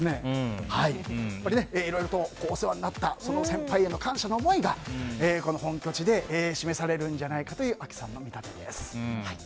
いろいろとお世話になった先輩への感謝の思いが本拠地で示されるんじゃないかというＡＫＩさんの見立てです。